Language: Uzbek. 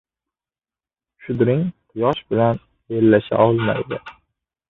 • Shudring quyosh bilan bellasha olmaydi.